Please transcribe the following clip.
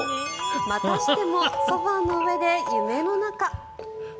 またしてもソファの上で夢の中。